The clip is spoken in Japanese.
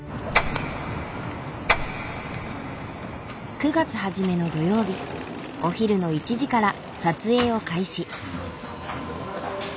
９月初めの土曜日お昼の１時から撮影を開始。